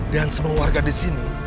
dan semua warga di sini